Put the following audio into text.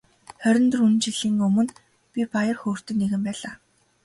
Хорин дөрвөн жилийн өмнө би баяр хөөртэй нэгэн байлаа.